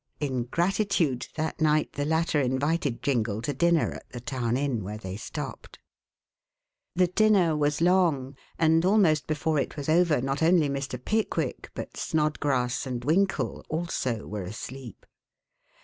In gratitude, that night the latter invited Jingle to dinner at the town inn where they stopped. The dinner was long, and almost before it was over not only Mr. Pickwick, but Snodgrass and Winkle also were asleep.